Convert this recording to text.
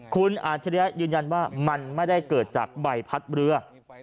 คุณอาจริยะยืนยันว่ามันไม่ได้เกิดจากใบพัดเรือ